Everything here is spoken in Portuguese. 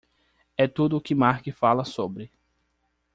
É tudo o que Mark fala sobre.